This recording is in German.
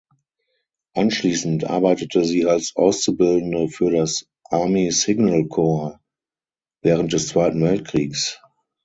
Anschließend arbeitete sie als Auszubildende für das Army Signal Corps während des Zweiten Weltkriegs.